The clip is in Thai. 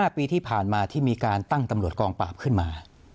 ๕ปีที่ผ่านมาที่มีการตั้งตำรวจกองปราบขึ้นมา